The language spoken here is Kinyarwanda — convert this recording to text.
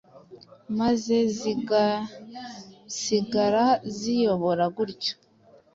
maze zigasigara ziyobora gutyo